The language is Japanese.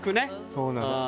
そうなの。